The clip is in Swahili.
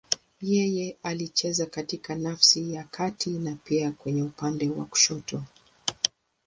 Yeye alicheza katika nafasi ya kati na pia kwenye upande wa kushoto.